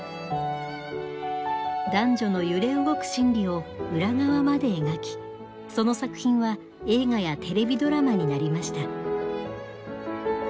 男女の揺れ動く心理を裏側まで描きその作品は映画やテレビドラマになりました。